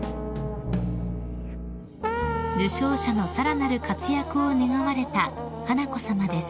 ［受賞者のさらなる活躍を願われた華子さまです］